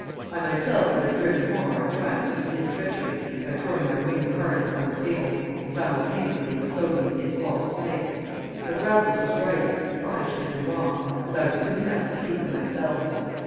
I myself would have driven home our triumph and his treachery by throwing our winning cards upon the table and simultaneously exposing his false play. But Raffles was right, and I should have been wrong, as I was soon enough to see for myself.